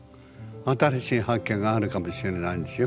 新しい発見があるかもしれないでしょ。